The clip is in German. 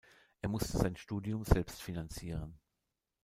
Er musste sein Studium selbst finanzieren.